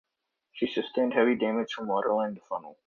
She sustained heavy damage from waterline to funnel.